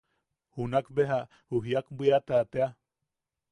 Junaʼa bea ju Jiak Bwiata tea.